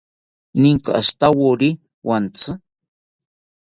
¿Ninka ashitawori wantsi?